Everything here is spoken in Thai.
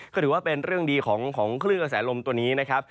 ก็ถือว่าเป็นเรื่องดีของคลื่นกระแสลมตัวนี้นะครับ